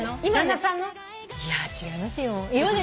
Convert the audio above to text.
旦那さんの？いや違いますよ。